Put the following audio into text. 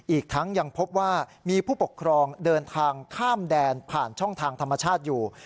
อีกทั้งยังพบว่ามีผู้ปกครองเดินทางข้ามแดนผ่านช่องทางธรรมชาติอยู่